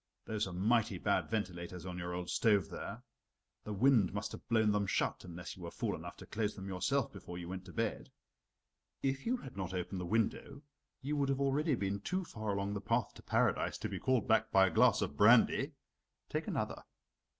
Those are mighty bad ventilators on your old stove there. The wind must have blown them shut, unless you were fool enough to close them yourself before you went to bed. If you had not opened the window, you would have already been too far along the path to Paradise to be called back by a glass of brandy. Take another."